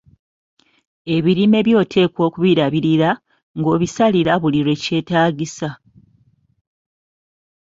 Ebirime byo oteekwa okubirabirira, ng‘obisalira buli lwekyetaagisa.